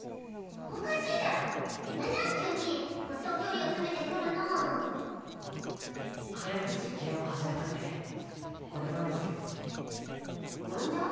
おかしいじゃろう何じゃ急にグッと距離を詰めてくるのう早く実験を始めたくてこれなんですけど何じゃ？